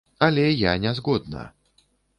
Але я не згодна.